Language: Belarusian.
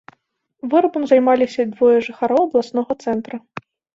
Вырабам займаліся двое жыхароў абласнога цэнтра.